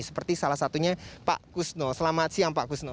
seperti salah satunya pak kusno selamat siang pak kusno